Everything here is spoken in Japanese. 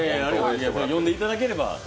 呼んでいただければ。